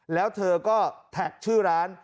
แล้วเธอก็แท็กชื่อร้าน